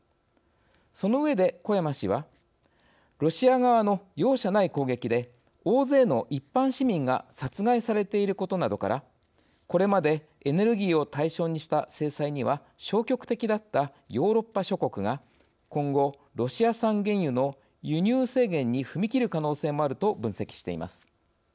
その上で小山氏はロシア側の容赦ない攻撃で大勢の一般市民が殺害されていることなどからこれまでエネルギーを対象にした制裁には消極的だったヨーロッパ諸国が今後ロシア産原油の輸入制限に踏み切る可能性もあると分析しています。